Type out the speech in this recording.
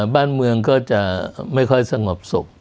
บ้านเมืองก็จะไม่ค่อยสงบสุข